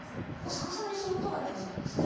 逆さまにすることが大事なんですね。